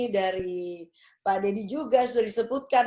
dari pak deddy juga sudah disebutkan